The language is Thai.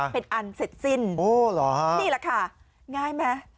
เป็นอันเสร็จสิ้นนี่แหละค่ะง่ายไหม